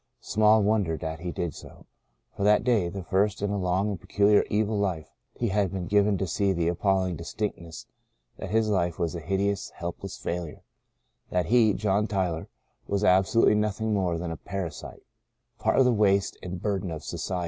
Small wonder that he did so, for that day — the first in a long and peculiarly evil life — he had been given to see with appalling distinctness that his life was a hideous, helpless failure — that he — John Tyler — was absolutely nothing more than a parasite — part of the waste and bur den of society.